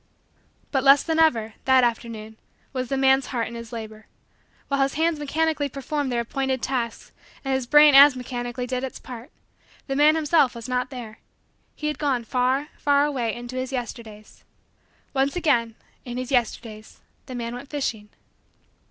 But, less than ever, that afternoon, was the man's heart in his labor. While his hands mechanically performed their appointed tasks and his brain as mechanically did its part, the man himself was not there. He had gone far, far, away into his Yesterdays. Once again, in his Yesterdays, the man went fishing.